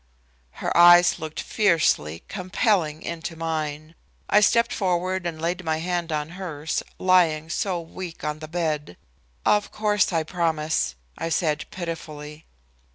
Her eyes looked fiercely, compelling, into mine. I stepped forward and laid my hand on hers, lying so weak on the bed. "Of course I promise," I said pitifully.